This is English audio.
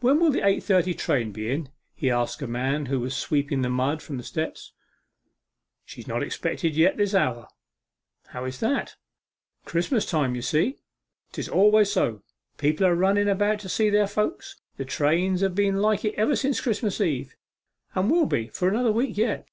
'When will the eight thirty train be in?' he asked of a man who was sweeping the mud from the steps. 'She is not expected yet this hour.' 'How is that?' 'Christmas time, you see, 'tis always so. People are running about to see their friends. The trains have been like it ever since Christmas Eve, and will be for another week yet.